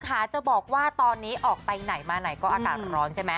ค่ะจะบอกว่าตอนนี้ออกไปไหนมาไหนก็อากาศร้อนใช่ไหม